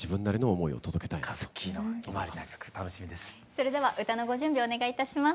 それでは歌のご準備をお願いいたします。